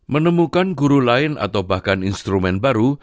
menemukan guru lain atau bahkan instrumen baru